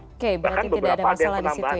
oke berarti tidak ada masalah di situ ya